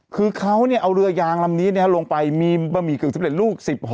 คือเขาเนี้ยเอาเรือยางลำนี้เนี้ยลงไปมีบะหมี่กึ่งสิบเล็ดลูกสิบห่อ